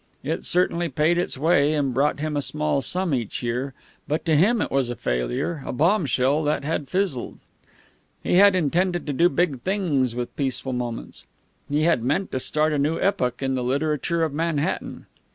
It certainly paid its way and brought him a small sum each year, but to him it was a failure, a bombshell that had fizzled. He had intended to do big things with Peaceful Moments. He had meant to start a new epoch in the literature of Manhattan.